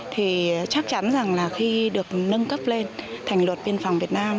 thì chắc chắn rằng là khi được nâng cấp lên thành luật biên phòng việt nam